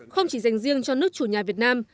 không chỉ dành riêng cho nước chủ nhà việt nam